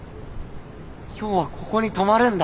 今日はここに泊まるんだ。